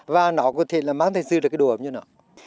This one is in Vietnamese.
và nó có thể là mang thầy sư được cái đồ ấm cho nó